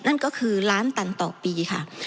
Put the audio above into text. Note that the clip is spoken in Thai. นั่นก็คือ๑๐๐๐๐๐๐ตันต่อปีค่ะ